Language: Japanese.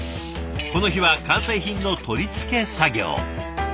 この日は完成品の取り付け作業。